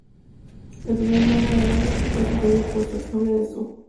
El primer nombre de "Derrick" fue sugerido por un ex-novia de su.